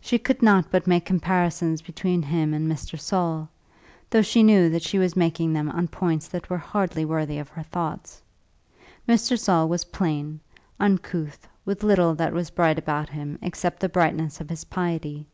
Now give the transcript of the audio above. She could not but make comparisons between him and Mr. Saul, though she knew that she was making them on points that were hardly worthy of her thoughts. Mr. Saul was plain, uncouth, with little that was bright about him except the brightness of his piety.